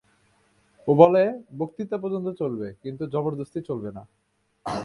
ও বলে, বক্তৃতা পর্যন্ত চলবে, কিন্তু জবর্দস্তি চলবে না।